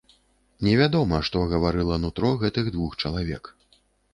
Невядома, што гаварыла нутро гэтых двух чалавек.